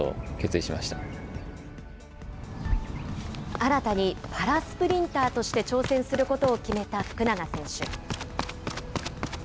新たにパラスプリンターとして挑戦することを決めた福永選手。